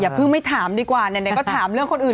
เพิ่งไม่ถามดีกว่าไหนก็ถามเรื่องคนอื่น